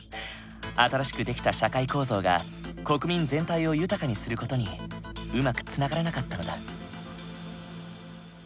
新しく出来た社会構造が国民全体を豊かにする事にうまくつながらなかったのだ。